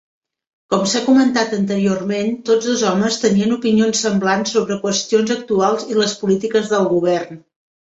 Com s'ha comentat anteriorment, tots dos homes tenien opinions semblants sobre qüestions actuals i les polítiques del govern.